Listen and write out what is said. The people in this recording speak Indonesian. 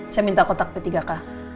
saya minta kotak p tiga k